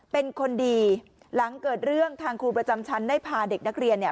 เป็นคนดีหลังเกิดเรื่องทางครูประจำชั้นได้พาเด็กนักเรียนเนี่ย